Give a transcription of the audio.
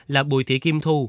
là bùi thị kim thu